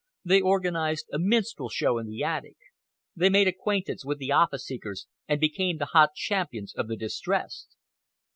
They organized a minstrel show in the attic; they made acquaintance with the office seekers and became the hot champions of the distressed.